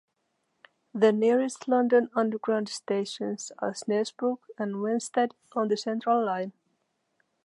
The nearest London Underground stations are Snaresbrook and Wanstead on the Central line.